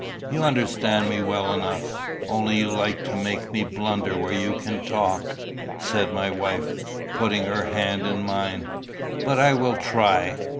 "You understand me well enough, only you like to make me blunder where you can talk," said my wife, putting her hand in mine. "But I will try.